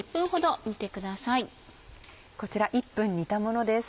こちら１分煮たものです。